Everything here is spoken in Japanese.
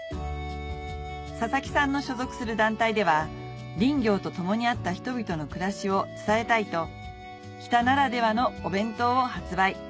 佐々木さんの所属する団体では林業と共にあった人々の暮らしを伝えたいと日田ならではのお弁当を発売